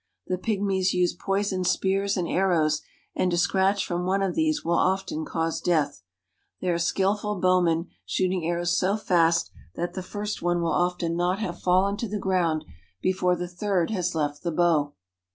The pygmies use poisoned spears and arrows, and a scratch from one of these will often cause death. They are skillful bowmen, shooting arrows so fast that the first one IN THE GREAT AFRICAN FOREST— PYGMIES 25 1 will often not have fallen to the ground before the third has left the bow.